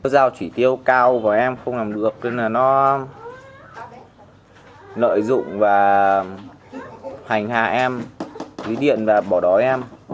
giao trí tiêu cao vào em không làm được nên là nó lợi dụng và hành hạ em lý điện và bỏ đói em